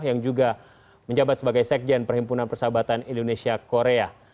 yang juga menjabat sebagai sekjen perhimpunan persahabatan indonesia korea